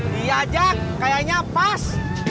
di aja kayaknya pas